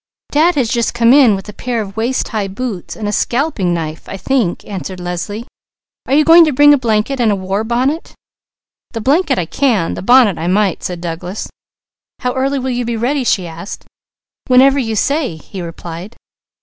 "Dad has just come in with a pair of waist high boots, and a scalping knife, I think," answered Leslie. "Are you going to bring a blanket and a war bonnet?" "The blanket, I can; the bonnet, I might," said Douglas. "How early will you be ready?" she asked. "Whenever you say," he replied.